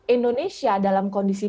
indonesia dalam kondisi